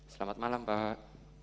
selamat malam pak